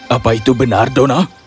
apa itu benar donna